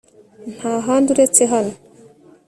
Nta handi uretse hano